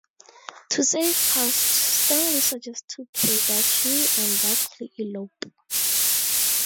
To save costs, Stanley suggests to Kay that she and Buckley elope.